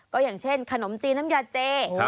ก็อย่างเช่นขนมจีนน้ำยาเจ